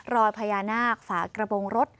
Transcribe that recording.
รอยพญานาคฝากระโปรงรถ